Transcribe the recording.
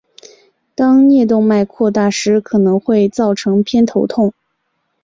当颞动脉扩大时可能会造成偏头痛。